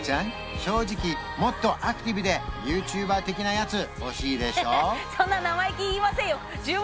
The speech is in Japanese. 正直もっとアクティブでＹｏｕＴｕｂｅｒ的なやつ欲しいでしょ？